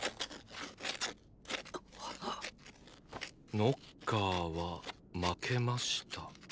ノッカーは負けました。